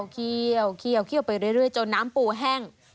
เคี้ยวเคี้ยวไปเรื่อยจนน้ำปูแห้ง